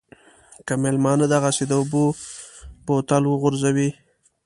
که مېلمانه دغسې د اوبو بوتل وغورځوي.